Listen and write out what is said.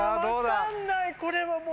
分かんないこれはもう。